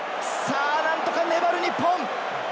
何とか粘れ、日本。